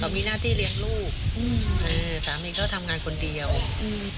มีหน้าที่เลี้ยงลูกอืมเออสามีก็ทำงานคนเดียวอืม